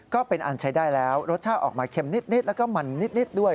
ก็เป็นอันใช้ได้แล้วรสชาติออกมาเค็มนิดแล้วก็มันนิดด้วย